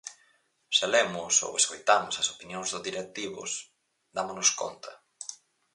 Se lemos ou escoitamos as opinións dos directivos, dámonos conta.